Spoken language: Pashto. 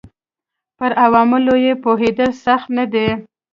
پر عواملو یې پوهېدل سخت نه دي.